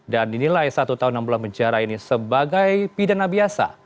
dan dinilai satu tahun enam bulan penjara ini sebagai pidana biasa